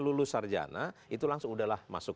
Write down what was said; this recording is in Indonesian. lusarjana itu langsung udahlah masuk